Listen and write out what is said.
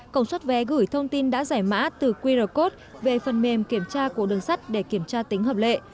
công suất vé gửi thông tin đã giải mã từ qr code về phần mềm kiểm tra của đường sắt để kiểm tra tính hợp lệ